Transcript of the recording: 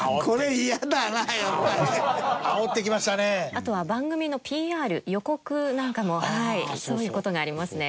あとは番組のＰＲ予告なんかもそういう事がありますね。